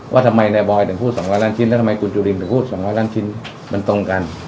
ว่าทำไมนายบอยถึงพูด๒๐๐ล้านชิ้นแล้วทำไมคุณจุลินถึงพูด๒๐๐ล้านชิ้นมันตรงกัน